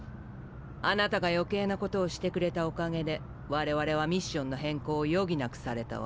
貴方が余計なことをしてくれたおかげで我々はミッションの変更を余儀なくされたわ。